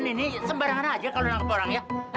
kalian ini sembarangan aja kalo nangkep orang ya